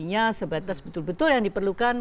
hanya sebatas betul betul yang diperlukan